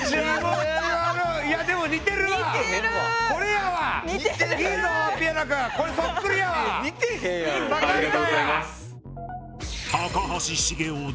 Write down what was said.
ありがとうございます。